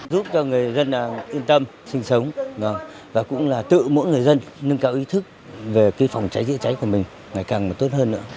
giúp cho người dân yên tâm sinh sống và cũng là tự mỗi người dân nâng cao ý thức về phòng cháy chữa cháy của mình ngày càng tốt hơn nữa